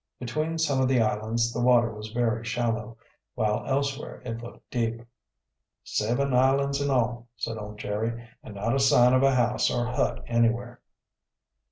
Between some of the islands the water was very shallow, while elsewhere it looked deep. "Seven islands in all," said old Jerry. "And not a sign of a house or hut anywhere."